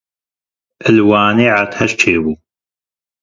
Li Wanê erdhej çêbû.